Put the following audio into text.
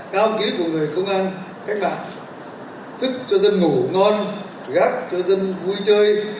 cao ký của người công an cách mạng thức cho dân ngủ ngon gác cho dân vui chơi